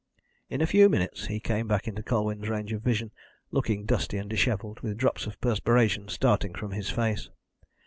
In a few minutes he came back into Colwyn's range of vision, looking dusty and dishevelled, with drops of perspiration starting from his face.